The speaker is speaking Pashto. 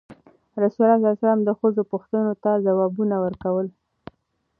رسول ﷺ د ښځو پوښتنو ته ځوابونه ورکول.